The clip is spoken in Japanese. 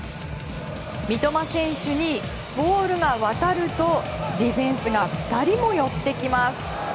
三笘選手にボールが渡るとディフェンスが２人も寄ってきます。